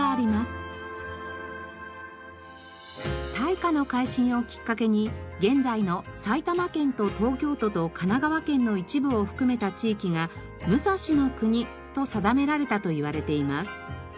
大化の改新をきっかけに現在の埼玉県と東京都と神奈川県の一部を含めた地域が武蔵国と定められたといわれています。